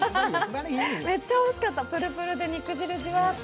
めっちゃおいしかった、プルプルで肉汁じわっと。